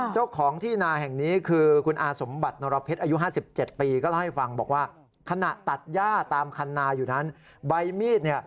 เจ้าของที่นาแห่งนี้คือคุณอาสมบัตินรพเพชรอายุ๕๗ปี